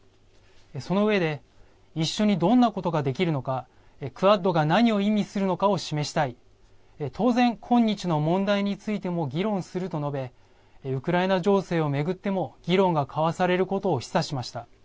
その上で、一緒にどんなことができるのか、クアッドが何を意味するのかを示したい、当然、今日の問題についても議論すると述べ、ウクライナ情勢を巡っても議論が交わされることを示唆しました。